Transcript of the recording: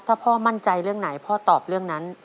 ถ้าพ่อมั่นใจเรื่องไหนพ่อตอบเรื่องนั้น